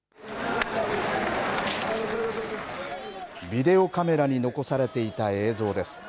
ビデオカメラに残されていた映像です。